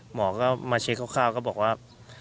หมอก็มาเช็คคร่าวก็บอกว่า